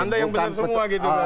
anda yang besar semua gitu